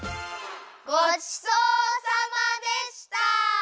ごちそうさまでした！